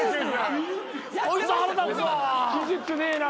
技術ねえな。